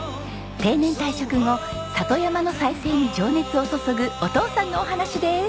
定年退職後里山の再生に情熱を注ぐお父さんのお話です。